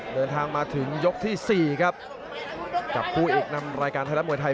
เดินทางมาถึงยกที่๔ครับกับคู่เอกนำรายการไทยรัฐมวยไทย